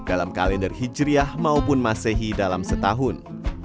dalam kalender hijriah maupun masehi dalam setahun